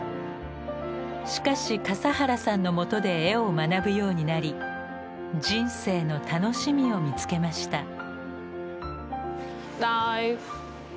しかし笠原さんのもとで絵を学ぶようになり人生の楽しみを見つけました。